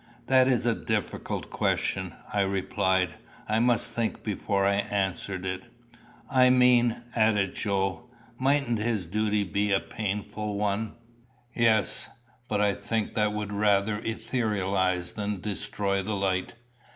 "That is a difficult question," I replied. "I must think before I answer it." "I mean," added Joe "mightn't his duty be a painful one?" "Yes. But I think that would rather etherealise than destroy the light.